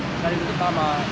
sekali nutup lama